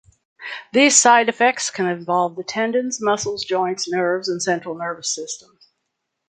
These side effects can involve the tendons, muscles, joints, nerves, and central nervous system.